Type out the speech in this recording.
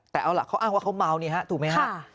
แต่เอาล่ะเขาอ้างว่าเขาเมานี่ฮะถูกไหมฮะ